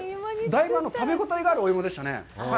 だいぶ食べ応えのあるお芋でしたね。